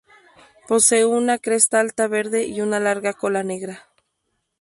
Posee una cresta alta verde y una larga cola negra.